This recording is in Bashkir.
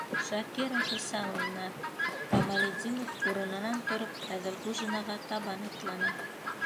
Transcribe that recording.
Шакира Хисамовна, - Камалетдинов урынынан тороп Әҙелғужинаға табан атланы.